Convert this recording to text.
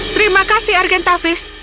terima kasih argentavis